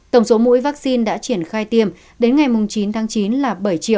tổng số mũi vắc xin đã triển khai tiêm đến ngày chín chín là bảy ba trăm linh bảy bảy trăm ba mươi tám